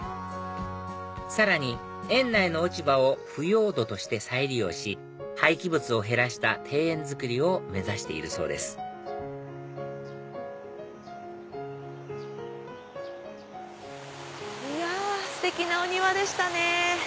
さらに園内の落ち葉を腐葉土として再利用し廃棄物を減らした庭園造りを目指しているそうですいやステキなお庭でしたね。